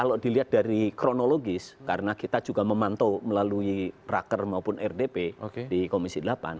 kalau dilihat dari kronologis karena kita juga memantau melalui raker maupun rdp di komisi delapan